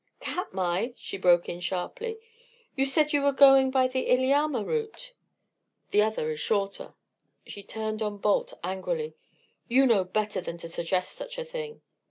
"Katmai!" she broke in, sharply. "You said you were going by the Iliamna route." "The other is shorter." She turned on Balt, angrily. "You know better than to suggest such a thing."